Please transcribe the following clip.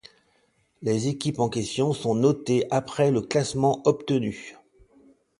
Les équipes en question sont notées après le classement obtenu.